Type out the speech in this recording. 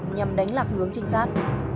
nhằm đánh lạc hướng trinh sát